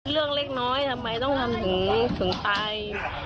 เรื่องเล็กน้อยทำไมต้องทำถึงนี่ถึงตาย